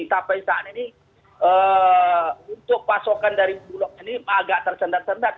sampai saat ini untuk pasokan dari bulog ini agak tersendat sendak